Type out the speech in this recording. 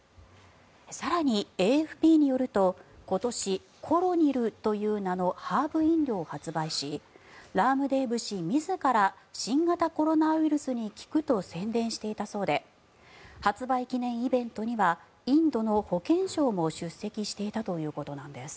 更に、ＡＦＰによると今年、コロニルという名のハーブ飲料を発売しラームデーブ氏自ら新型コロナウイルスに効くと宣伝していたそうで発売記念イベントにはインドの保健相も出席していたということなんです。